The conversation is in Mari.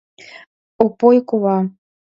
Опой кува.